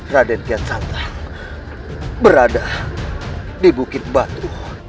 raden kiyat santang berada di bukit batu